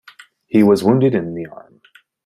He was wounded in the arm.